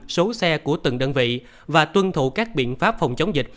số xe của từng đơn vị và tuân thủ các biện pháp phòng chống dịch